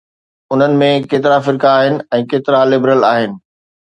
انهن ۾ ڪيترائي فرقا آهن ۽ ڪيترائي لبرل آهن.